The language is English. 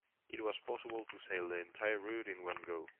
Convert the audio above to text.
It was possible to sail the entire route in one go.